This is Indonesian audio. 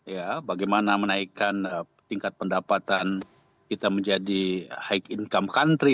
ya bagaimana menaikkan tingkat pendapatan kita menjadi high income country